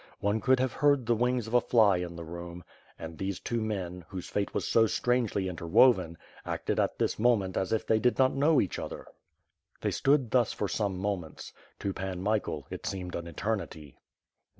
One could have heard the wings of a fly in the room. And these two men, whose fate was so strangely interwoven, acted at this moment as if they did not know each other. They stood thus for some moments. To Pan Michael, it seemed an eternity.